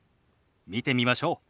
見てみましょう。